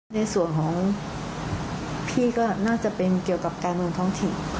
ในส่วนของพี่ก็น่าจะเป็นเกี่ยวกับการเมืองท้องถิ่น